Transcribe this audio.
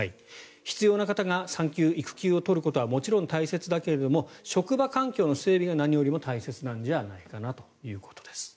必要な方が産休・育休を取ることはもちろん大切だけど職場環境の整備が何よりも大切なんじゃないかなということです。